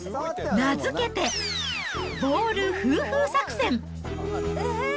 名付けて、ボールふうふう作戦。